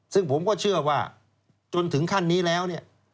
ซึ่งผมก็เชื่อว่าจนถึงขั้นนี้แล้วเนี่ย